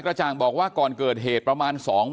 พันให้หมดตั้ง๓คนเลยพันให้หมดตั้ง๓คนเลย